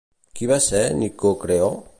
Qui va ser Nicocreó?